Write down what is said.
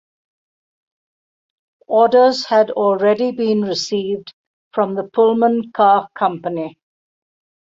Orders had already been received from the Pullman Car Company.